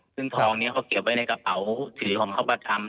ซึ่งทองนี้เขาเก็บไว้ในกระเป๋าถือของเขามาทำ